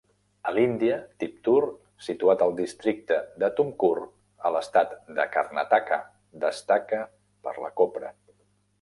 A l'Índia, Tiptur, situat al districte de Tumkur a l'estat de Karnataka, destaca per la copra.